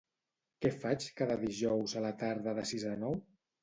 Què faig cada dijous a la tarda de sis a nou?